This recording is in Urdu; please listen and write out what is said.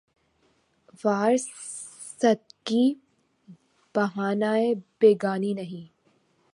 وارستگی بہانۂ بیگانگی نہیں